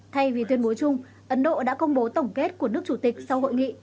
thay vì tuyên bố chung ấn độ đã công bố tổng kết của nước chủ tịch sau hội nghị